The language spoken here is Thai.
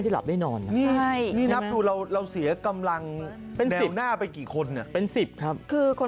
แหละที่นี่ดูเราเสียกำลังแนวน่าไปกี่คนเป็นสิบครับคือคน